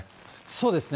そうですね。